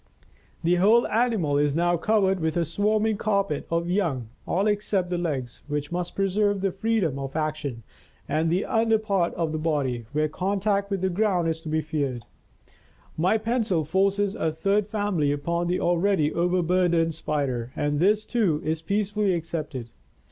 The whole animal is now covered with a swarming carpet of young, all except the legs, which must preserve their freedom of action, and the under part of the body, where contact with the ground is to be feared. My pencil forces a third family upon the already overburdened Spider, and this, too, is peacefully accepted.